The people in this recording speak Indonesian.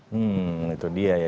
hmm itu dia ya